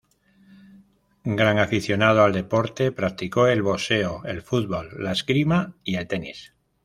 Gran aficionado al deporte, practicó el boxeo, el fútbol, la esgrima y el tenis.